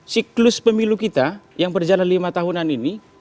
siklus pemilu kita yang berjalan lima tahunan ini